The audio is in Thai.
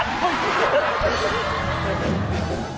เดี๋ยว